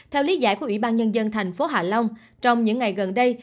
theo lý giải của ủy ban nhân dân thành phố hạ long trong những ngày gần đây